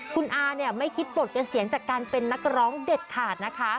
คุณอาเนี่ยไม่คิดปลดเกษียณจากการเป็นนักร้องเด็ดขาดนะคะ